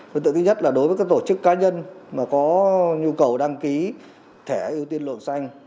phần tự thứ nhất là đối với các tổ chức cá nhân mà có nhu cầu đăng ký thẻ ưu tiên luồng xanh